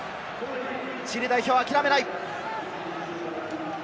チリ代表、諦めない。